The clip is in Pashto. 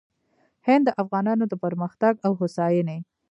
هند د افغانانو د پرمختګ او هوساینې